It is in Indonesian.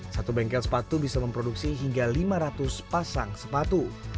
satu bengkel sepatu bisa memproduksi hingga lima ratus pasang sepatu